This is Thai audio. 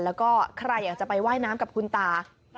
แล้วก็ใครอยากจะไปว่ายน้ำกับคุณตา